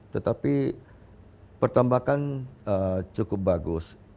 tetapi pertambakan cukup bagus